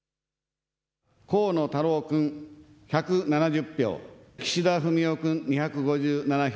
河野太郎君１７０票、岸田文雄君２５７票。